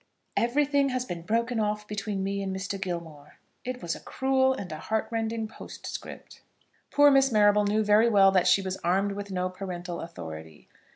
"Everything has been broken off between me and Mr. Gilmore." It was a cruel and a heartrending postscript! Poor Miss Marrable knew very well that she was armed with no parental authority.